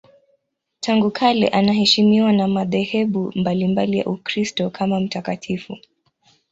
Tangu kale anaheshimiwa na madhehebu mbalimbali ya Ukristo kama mtakatifu.